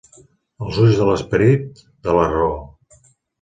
Els ulls de l'esperit, de la raó.